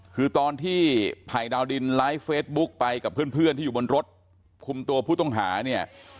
คือตอนที่ไผ่ดาวดินไลฟ์เฟซบุ๊กไปกับเพื่อนที่อยู่บนรถคุมตัวผู้ต้องหาเนี่ย